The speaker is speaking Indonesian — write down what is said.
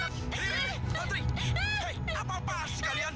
riri lantri hei apa apa sih kalian